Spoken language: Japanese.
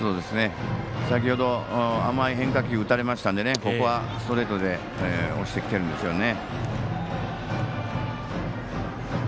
先ほど甘い変化球打たれましたのでここはストレートで押してきてるんですね。